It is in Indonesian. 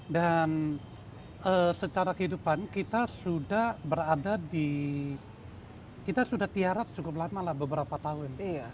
dan secara kehidupan kita sudah berada di kita sudah tiarat cukup lama lah beberapa tahun